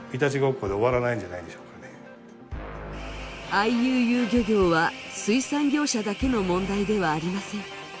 ＩＵＵ漁業は水産業者だけの問題ではありません。